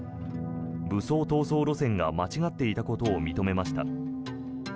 武装闘争路線が間違っていたことを認めました。